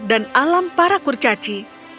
dan alam para kurcaci